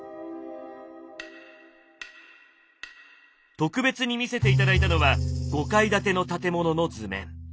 特別に見せて頂いたのは５階建ての建物の図面。